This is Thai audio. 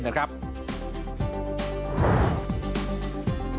โดยเปิดเข้าได้